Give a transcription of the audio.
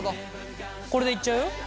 これでいっちゃうよ？